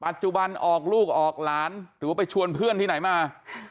ออกลูกออกหลานหรือว่าไปชวนเพื่อนที่ไหนมา